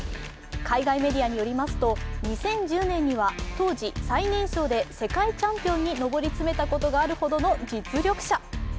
海外メディアによりますと２０１０年には当時、最年少で世界チャンピオンに上り詰めたことがあるほどの実力者。